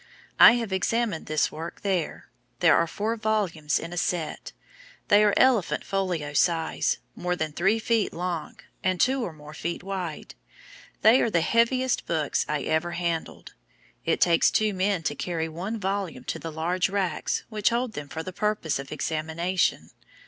I have examined this work there; there are four volumes in a set; they are elephant folio size more than three feet long, and two or more feet wide. They are the heaviest books I ever handled. It takes two men to carry one volume to the large racks which hold them for the purpose of examination.